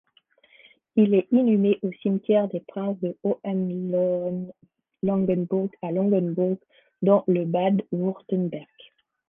Il est inhumé au cimetière des princes de Hohenlohe-Langenbourg à Langenbourg dans le Bade-Wurtemberg.